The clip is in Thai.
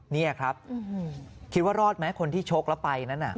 นี่ครับคิดว่ารอดไหมคนที่ชกแล้วไปนั้น